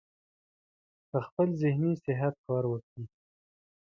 پۀ خپل ذهني صحت کار وکړي -